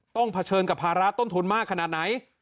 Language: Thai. เผชิญกับภาระต้นทุนมากขนาดไหน